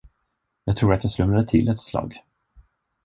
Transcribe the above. Jag tror att jag slumrade till ett slag.